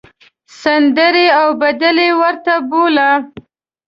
سندرې او بدلې ورته بولۍ.